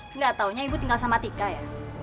enggak tahunya ibu tinggal sama tika ya